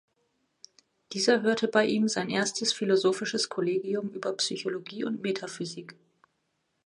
Dieser hörte bei ihm sein erstes philosophisches Kollegium über Psychologie und Metaphysik.